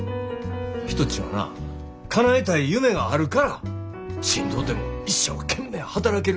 人ちゅうんはなかなえたい夢があるからしんどうても一生懸命働ける。